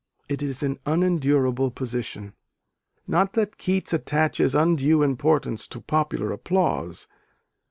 It is an unendurable position. Not that Keats attaches undue importance to popular applause.